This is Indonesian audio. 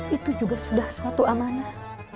itu juga sudah suatu amanah